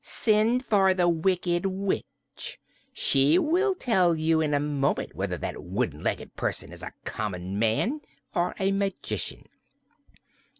"Send for the Wicked Witch. She will tell you in a moment whether that wooden legged person is a common man or a magician."